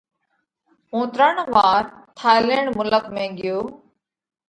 ھُون ترڻ وار ٿائِيلينڍ ملڪ ۾ ڳيوه۔